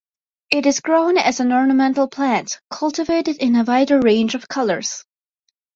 It is grown as an ornamental plant, cultivated in a wider range of colors.